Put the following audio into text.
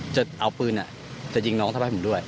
จะเอาปืนจะยิงน้องทำร้ายผมด้วย